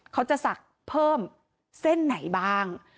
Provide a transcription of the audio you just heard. เขาจะสักเพิ่มเส้นไหนบ้าง